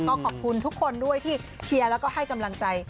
ก็ขอบคุณทุกคนด้วยที่เชียร์แล้วก็ให้กำลังใจ